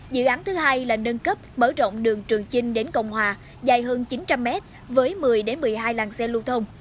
dự án thứ hai là nâng cấp mở rộng đường trường chinh đến cộng hòa dài hơn chín trăm linh mét với một mươi một mươi hai làng xe lưu thông